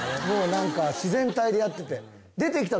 もうなんか自然体でやってて。